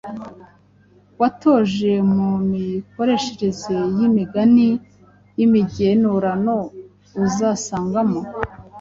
witoreje mu mikoreshereze y’imigani y’imigenurano uzasangamo,